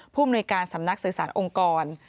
ผู้มนุยการสำนักศึกษาองค์กร